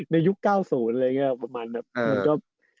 ในยุค๙๐อะไรแบบนี้